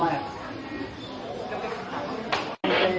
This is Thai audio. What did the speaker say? ส่วนที่มันอยู่